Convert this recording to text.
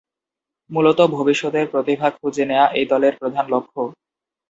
মূলত ভবিষ্যতের প্রতিভা খুঁজে নেয়া এই দলের প্রধান লক্ষ্য।